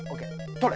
取れ！